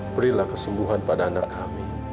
berilah kesembuhan pada anak kami